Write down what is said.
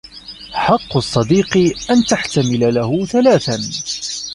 حَقُّ الصَّدِيقِ أَنْ تَحْتَمِلَ لَهُ ثَلَاثًا